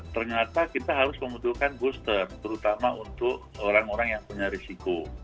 ternyata kita harus membutuhkan booster terutama untuk orang orang yang punya risiko